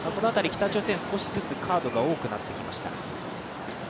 北朝鮮、少しずつカードが多くなってきました。